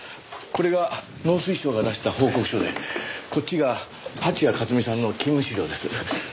これが農水省が出した報告書でこっちが蜂矢克巳さんの勤務資料です。